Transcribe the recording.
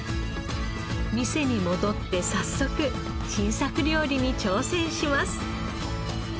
店に戻って早速新作料理に挑戦します。